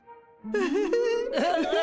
ウフフフフ。